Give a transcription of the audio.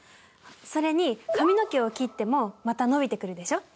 それに髪の毛を切ってもまた伸びてくるでしょ。